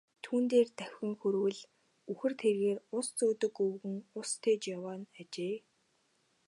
Түүн дээр давхин хүрвэл үхэр тэргээр ус зөөдөг өвгөн ус тээж яваа нь ажээ.